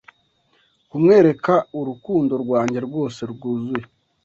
kumwereka urukundo rwanjye rwose rwuzuye